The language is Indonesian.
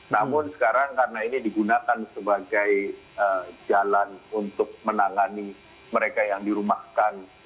namun sekarang karena ini digunakan sebagai jalan untuk menangani mereka yang dirumahkan